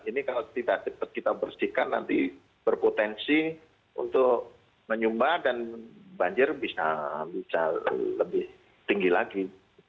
ini kalau kita bersihkan nanti berpotensi untuk menyumbat dan banjir bisa lebih tinggi lagi